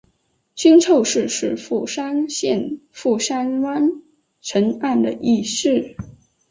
新凑市是富山县富山湾沿岸的一市。